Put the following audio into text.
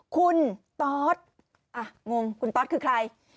คุณตอธอ่ะงงคุณตอธคือใคร